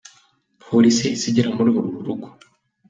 Polisi yahise igera muri uru rugo.